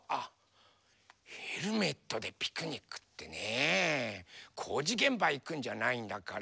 ヘルメットでピクニックってねこうじげんばいくんじゃないんだから。